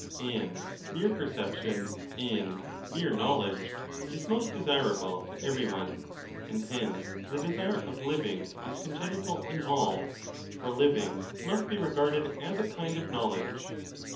And mere perception and mere knowledge" is most desirable to every one, and hence the desire of living is congenital in all ; for living must be regarded as a kind of knowledge.